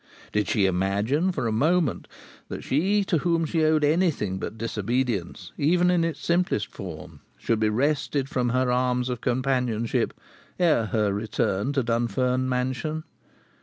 Did she imagine for a moment that she, to whom she owed anything but disobedience, even in its simplest form, should be wrested from her arms of companionship ere her return to Dunfern Mansion?